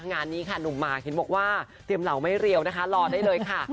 งานนี้ค่ะหนุ่มหมากเห็นบอกว่าเตรียมเหล่าไม่เรียวนะคะรอได้เลยค่ะ